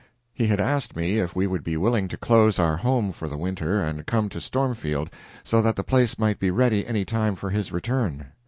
He had asked me if we would be willing to close our home for the winter and come to Stormfield, so that the place might be ready any time for his return.